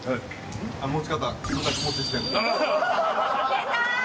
出た！